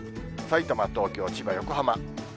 さいたま、東京、千葉、横浜。